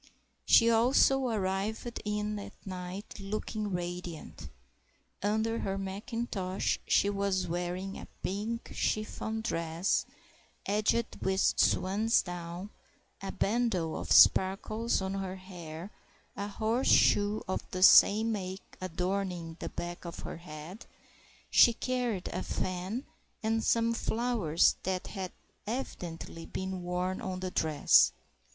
She also arrived in at night looking radiant. Under her mackintosh she was wearing a pink chiffon dress, edged with swansdown; a bandeau of sparkles was on her hair, a horseshoe of the same make adorning the back of her head; she carried a fan, and some flowers that had evidently been worn on the dress.